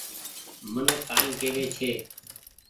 منک ڪآئي ڪيوي ڇي۔